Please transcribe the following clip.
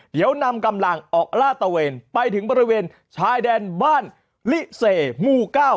เดี๋ยวนำกำลังออกลาดตะเวนไปถึงบริเวณชายแดนบ้านลิเซหมู่เก้า